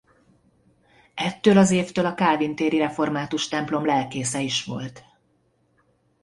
Ettől az évtől a Kálvin téri református templom lelkésze is volt.